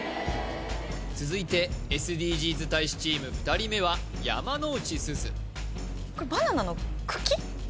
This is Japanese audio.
続いてＳＤＧｓ大使チーム２人目は山之内すずこれバナナの茎？